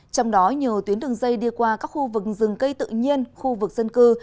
trong đó nhiều tuyến đường dây đi qua các khu vực rừng cây tự nhiên khu vực dân cư